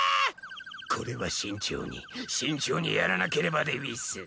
これは慎重に慎重にやらなければでうぃす。